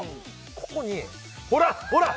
ここにほらほら！